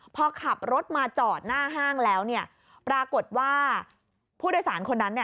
พอขับรถมาจอดหน้าห้างแล้วปรากฏว่าผู้โดยสารคนนั้น